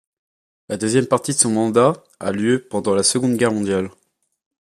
La deuxième partie de son mandat a lieu pendant la Seconde Guerre mondiale.